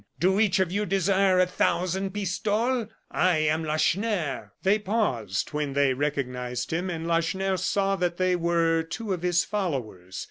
do each of you desire a thousand pistoles? I am Lacheneur." They paused when they recognized him, and Lacheneur saw that they were two of his followers.